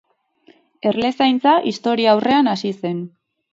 Erlezaintza historiaurrean hasi zen.